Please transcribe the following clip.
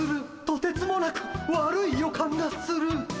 とてつもなく悪い予感がする。